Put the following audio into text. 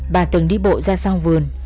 bà từng đi bộ ra sau vườn